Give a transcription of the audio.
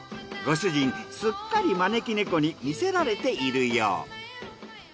ご主人すっかり招き猫に魅せられているよう。